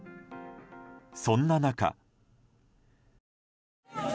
そんな中。